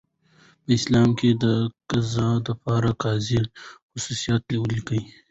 په اسلام کي دقضاء د پاره دقاضي خصوصیات ولیکئ؟